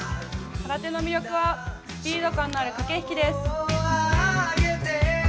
空手の魅力はスピード感のある駆け引きです。